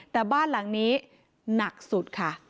แต่บ้านหลังนี้หนักสุดค่ะ